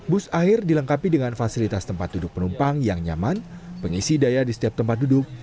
bus air dilengkapi dengan fasilitas tempat duduk penumpang yang nyaman pengisi daya di setiap tempat duduk